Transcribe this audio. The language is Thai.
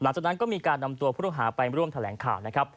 หลังจากนั้นก็มีการนำตัวผู้ต้องหาไปร่วมแถลงข่าวนะครับ